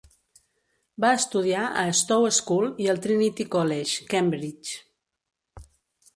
Va estudiar a Stowe School i al Trinity College, Cambridge.